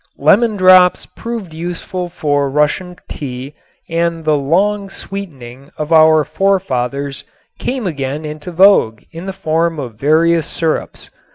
Lemon drops proved useful for Russian tea and the "long sweetening" of our forefathers came again into vogue in the form of various syrups.